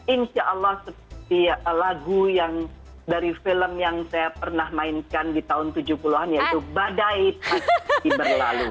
insya allah seperti lagu yang dari film yang saya pernah mainkan di tahun tujuh puluh an yaitu badai berlalu